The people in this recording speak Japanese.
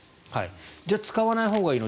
じゃあ使わないほうがいいの？